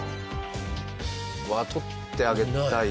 取ってあげたいな。